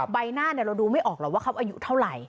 ใบหน้าเราดูไม่ออกหรอกว่าเขาอายุเท่าไหร่